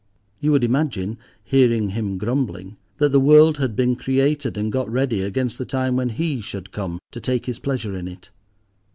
You would imagine, hearing him grumbling, that the world had been created and got ready against the time when he should come to take his pleasure in it.